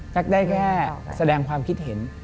ได้แค่แสดงความคิดเห็น